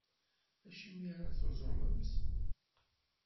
Acimi ara tuẓumemt?